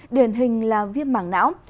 điển hình là viêm mảng não